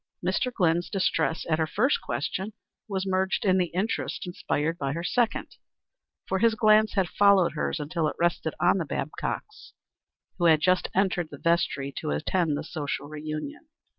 Mr. Glynn's distress at her first question was merged in the interest inspired by her second, for his glance had followed hers until it rested on the Babcocks, who had just entered the vestry to attend the social reunion.